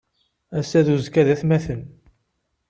Ass-a d uzekka d atmaten.